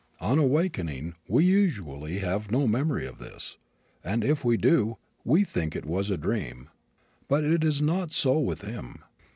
On awakening we usually have no memory of this and if we do we think it was a dream. But it is not so with him.